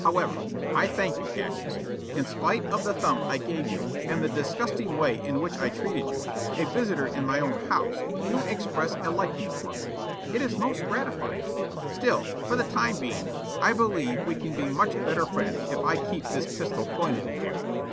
However, I thank you, Cassius. In spite of the thump I gave you and the disgusting way in which I treated you, a visitor in my own house, you express a liking for me. It is most gratifying. Still, for the time being, I believe we can be much better friends if I keep this pistol pointed at you.